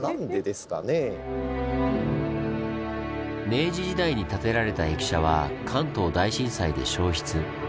明治時代に建てられた駅舎は関東大震災で焼失。